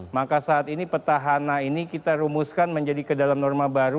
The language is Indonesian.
maka saat ini petahana ini kita rumuskan menjadi ke dalam norma baru